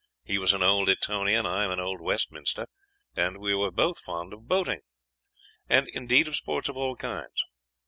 He was an old Etonian, I an old Westminster, and we were both fond of boating, and, indeed, of sport of all kinds.